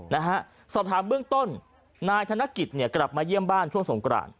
นะฮะสอบถามเบื้องต้นนายธนกิจเนี่ยกลับมาเยี่ยมบ้านช่วงสงกราน